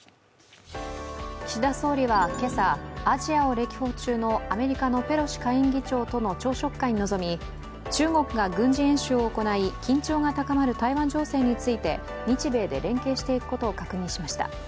岸田総理は今朝、アジアを歴訪中のアメリカのペロシ下院議長との朝食会に臨み中国が軍事演習を行い、緊張が高まる台湾情勢について日米で連携していくことを確認しました。